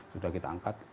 sudah kita angkat